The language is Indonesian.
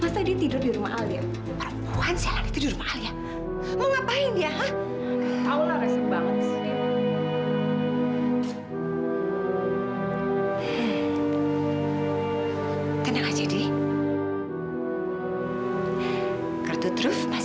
sampai jumpa di video selanjutnya